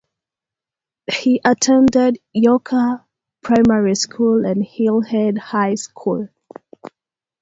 He attended Yoker Primary School and Hillhead High School.